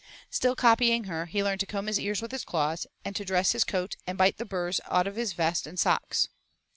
Still copying her, he learned to comb his ears with his claws and to dress his coat and to bite the burrs out of his vest and socks.